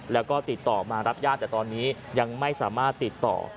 แล้วก็ติดต่อมารับญาติแต่ตอนนี้ยังไม่สามารถติดต่อ